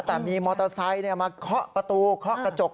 แต่มีมอเตอร์ไซค์มาเคาะประตูเคาะกระจก